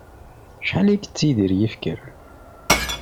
Acḥal i yettidir yifker?